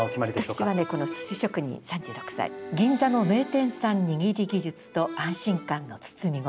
この「寿司職人３６歳銀座の名店産握り技術と安心感の包み声」